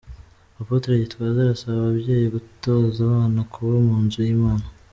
Apotre Gitwaza arasaba ababyeyi gutoza abana kuba mu nzu y'Imana.